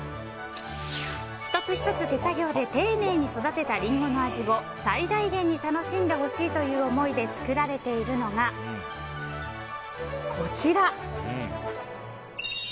一つ一つ手作業で丁寧に育てたりんごの味を最大限に楽しんでほしいという思いで作られているのがこちら。